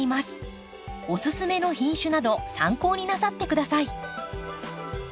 オススメの品種など参考になさって下さい。